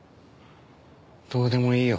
どうでもいいよ。